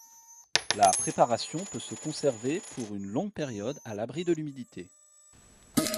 La préparation peut se conserver pour une longue période à l'abri de l'humidité.